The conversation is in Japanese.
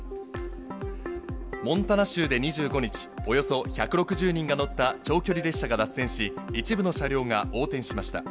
モンタナ州で２５日、およそ１６０人が乗った長距離列車が脱線し、一部の車両が横転しました。